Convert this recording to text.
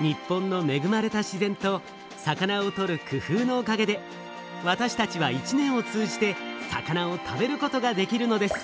日本のめぐまれた自然と魚をとる工夫のおかげでわたしたちは一年を通じて魚を食べることができるのです。